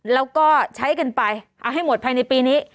แล้วก็ใช้กันไปเอาให้หมดภายในปีนี้